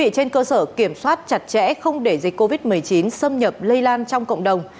trên cơ sở kiểm soát chặt chẽ không để dịch covid một mươi chín xâm nhập lây lan trong cộng đồng